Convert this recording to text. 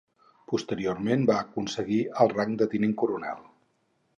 Posteriorment va aconseguir el rang de tinent coronel.